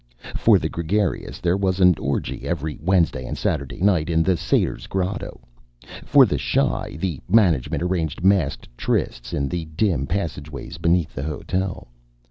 For the gregarious, there was an orgy every Wednesday and Saturday night in the Satyr's Grotto. For the shy, the management arranged masked trysts in the dim passageways beneath the hotel.